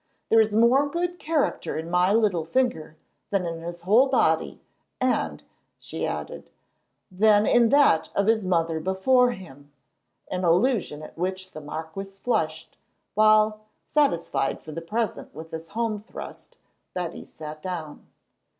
There is more good character in my little finger than in his whole body, and," she added, "than in that of his mother before him"—an allusion at which the marquis flushed, while, satisfied for the present with this home thrust, Betty sat down.